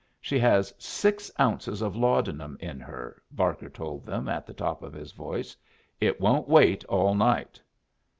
"She has six ounces of laudanum in her," Barker told them at the top of his voice. "It won't wait all night."